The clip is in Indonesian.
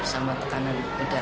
sama tekanan udara